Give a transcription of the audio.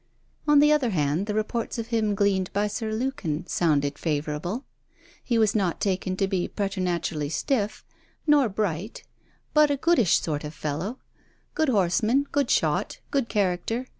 On the other hand, the reports of him gleaned by Sir Lukin sounded favourable. He was not taken to be preternaturally stiff, nor bright, but a goodish sort of fellow; good horseman, good shot, good character.